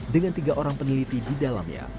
dengan tiga orang peneliti di dalamnya